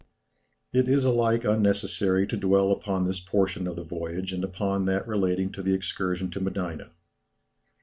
It is alike unnecessary to dwell upon this portion of the voyage and upon that relating to the excursion to Medina.